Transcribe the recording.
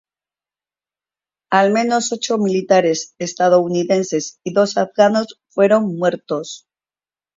Al menos ocho militares estadounidenses y dos afganos fueron muertos.